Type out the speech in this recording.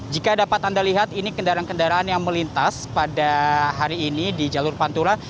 jika dapat anda lihat ini kendaraan kendaraan yang melintas pada hari ini di jalur pantura